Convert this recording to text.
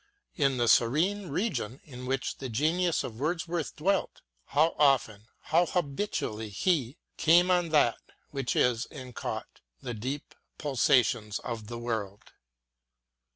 In the serene region in which the genius of Wordsworth dwelt, how often, how habitually he Came on that which is and caught The deep pulsations of the world.